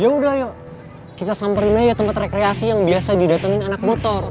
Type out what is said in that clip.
ya udah ayo kita samperin aja tempat rekreasi yang biasa didatengin anak motor